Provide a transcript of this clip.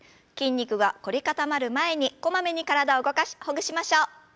筋肉が凝り固まる前にこまめに体を動かしほぐしましょう。